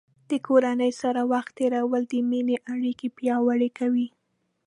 د کورنۍ سره وخت تیرول د مینې اړیکې پیاوړې کوي.